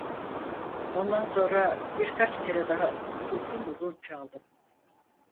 Ondan sonra, birkaç kere daha, uzun uzun çaldım.